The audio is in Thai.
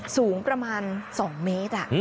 สูงประมาณ๒เมตร